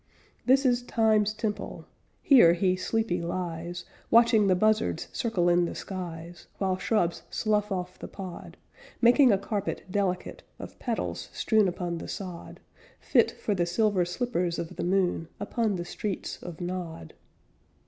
This is Time's temple; Here he sleepy lies, Watching the buzzards circle in the skies, While shrubs slough off the pod, Making a carpet delicate Of petals strewn upon the sod, Fit for the silver slippers of the moon Upon the streets of Nod.